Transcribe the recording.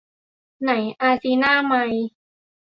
ไนอะซินาไมด์